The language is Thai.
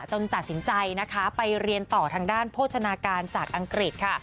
ตัดสินใจนะคะไปเรียนต่อทางด้านโภชนาการจากอังกฤษค่ะ